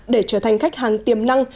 để trở thành khách hàng tiềm năng